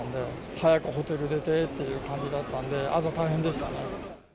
早くホテル出てって感じだったんで、朝大変でしたね。